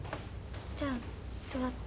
じゃあ座って。